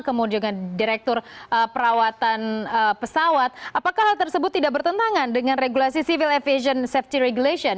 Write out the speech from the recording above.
kemudian direktur perawatan pesawat apakah hal tersebut tidak bertentangan dengan regulasi civil aviation safety regulation